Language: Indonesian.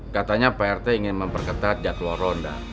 katanya pak rt ingin memperketat jadwal ronda